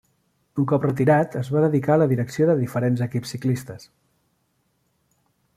Un cop retirat es va dedicar a la direcció de diferents equips ciclistes.